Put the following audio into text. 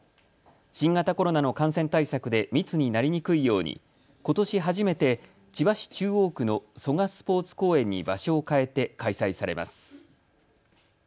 新型コロナの感染対策で密になりにくいようにことし初めて千葉市中央区の蘇我スポーツ公園に場所を変えて開催されます。